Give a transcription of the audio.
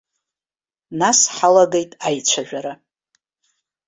Нас ҳалагеит аицәажәара.